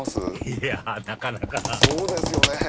いやなかなかそうですよね